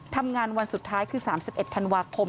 วันสุดท้ายคือ๓๑ธันวาคม